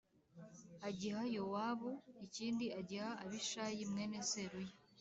agiha Yowabu ikindi agiha Abishayi mwene Seruya